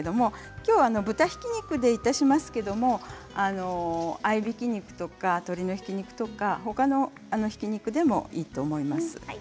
きょうは豚ひき肉でいたしますが合いびき肉とか鶏のひき肉とかほかのひき肉でもいいと思います。